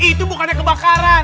itu bukannya kebakaran